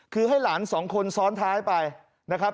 คือให้หลานสองคนซ้อนท้ายไปนะครับ